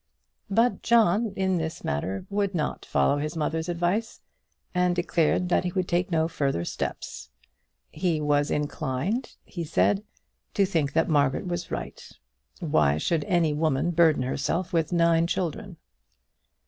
But John, in this matter, would not follow his mother's advice, and declared that he would take no further steps. "He was inclined," he said, "to think that Margaret was right. Why should any woman burden herself with nine children?"